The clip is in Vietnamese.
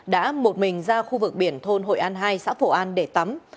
đã một mình ra khu vực biển thôn hội an hai xã phổ an để tắm